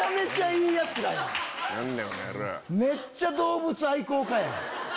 めっちゃ動物愛好家やん。